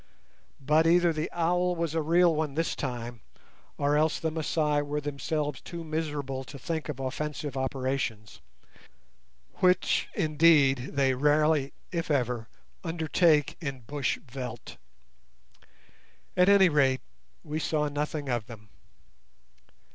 But either the owl was a real one this time, or else the Masai were themselves too miserable to think of offensive operations, which, indeed, they rarely, if ever, undertake in bush veldt. At any rate, we saw nothing of them.